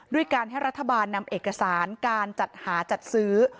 ด้วยการให้รัฐบาลนำเอกสารการจัดหาจัดซื้อ